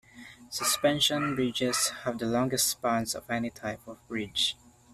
Suspension bridges have the longest spans of any type of bridge.